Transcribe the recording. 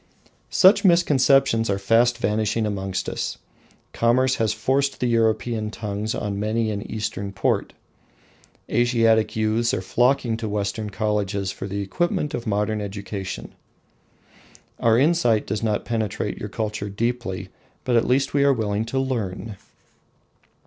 Such misconceptions are fast vanishing amongst us. Commerce has forced the European tongues on many an Eastern port. Asiatic youths are flocking to Western colleges for the equipment of modern education. Our insight does not penetrate your culture deeply, but at least we are willing to learn.